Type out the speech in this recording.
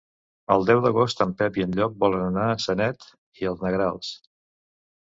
El deu d'agost en Pep i en Llop volen anar a Sanet i els Negrals.